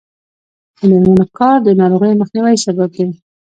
د میرمنو کار د ناروغیو مخنیوي سبب دی.